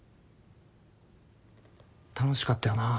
楽しかったよな。